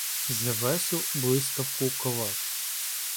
Зевесу блискавку ковав.